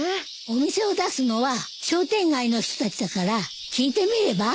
お店を出すのは商店街の人たちだから聞いてみれば？